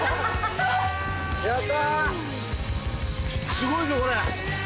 すごいぞこれ。